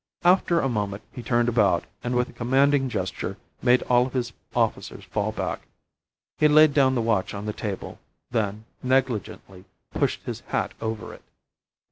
After a moment he turned about, and with a commanding gesture made all his officers fall back. He laid down the watch on the table, then, negligently, pushed his hat over it.